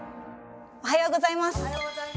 おはようございます。